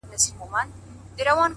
خوشحال په دې يم چي ذهين نه سمه.